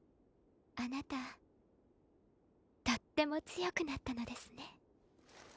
あなたとっても強くなったのですね